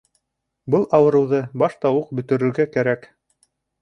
Был ауырыуҙы башта уҡ бөтөрөргә кәрәк